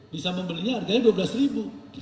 bisa membelinya harganya rp dua belas